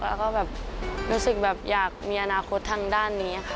แล้วก็รู้สึกอยากมีอนาคตทางด้านนี้